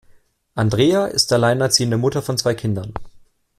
Andrea ist alleinerziehende Mutter von zwei Kindern.